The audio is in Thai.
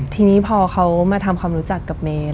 ทีนี้พอเขามาทำความรู้จักกับเมน